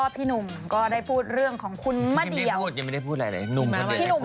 นี่คือการทำให้หายปวดหัว